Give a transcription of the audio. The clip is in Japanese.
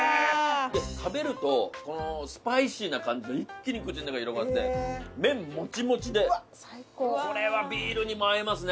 食べるとこのスパイシーな感じが一気に口の中広がって麺もちもちでこれはビールにも合いますね。